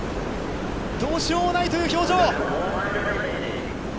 どうしようもないという表情。